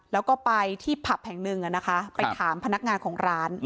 แล้วก็ไปที่ผับแห่งหนึ่งไปถามพนักงานของร้าน